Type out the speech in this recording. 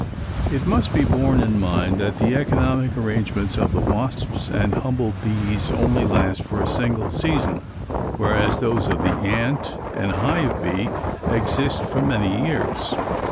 It must be borne in mind that the economic arrangements of the wasps and humble bees only last for a single season, whereas those of the ant and hive bee exist for many years.